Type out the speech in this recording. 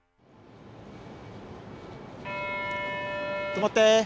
とまって。